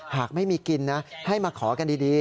หากไม่มีกินนะให้มาขอกันดี